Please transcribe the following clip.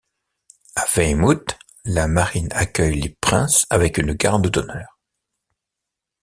À Weymouth, la marine accueille les princes avec une garde d'honneur.